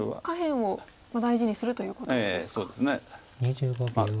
下辺を大事にするということですか。